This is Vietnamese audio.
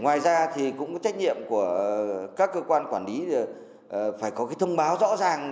ngoài ra thì cũng có trách nhiệm của các cơ quan quản lý phải có cái thông báo rõ ràng